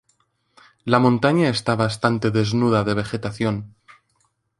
La montaña está bastante desnuda de vegetación.